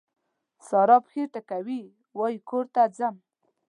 سارا پښې ټکوي؛ وای کور ته ځم.